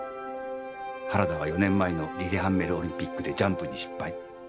原田は４年前のリレハンメルオリンピックでジャンプに失敗。